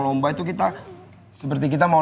lomba itu kita seperti kita mau